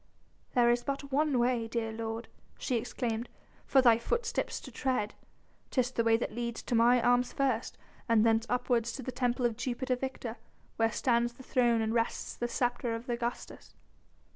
"There is but one way, dear lord," she exclaimed, "for thy footsteps to tread! Tis the way that leads to mine arms first and thence upwards to the temple of Jupiter Victor where stands the throne and rests the sceptre of Augustus."